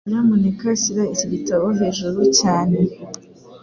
Nyamuneka shyira iki gitabo hejuru cyane.